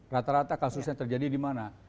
rata rata kasusnya terjadi di mana